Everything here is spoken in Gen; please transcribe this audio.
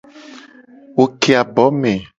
Wo ke abo me.